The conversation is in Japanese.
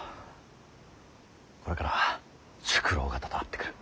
これから宿老方と会ってくる。